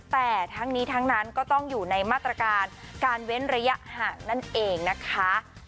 แต่ทั้งนี้ทั้งนั้นก็ต้องอยู่ในมาตรการการเว้นระยะห่างนั่นเองนะคะ